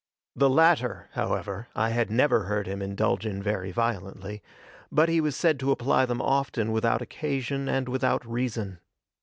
The latter, however, I had never heard him indulge in very violently, but he was said to apply them often without occasion and without reason.